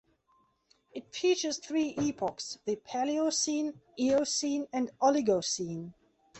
It features three epochs: the Paleocene, Eocene and Oligocene.